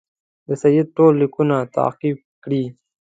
د سید ټول لیکونه تعقیب کړي.